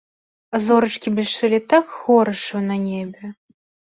А зорачкі блішчэлі так хораша на небе.